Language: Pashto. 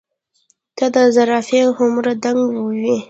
نۀ د زرافه هومره دنګ وي ،